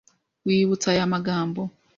wibutse aya magambo: